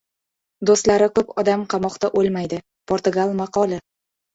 Do‘stlari ko‘p odam qamoqda o‘lmaydi. Portugal maqoli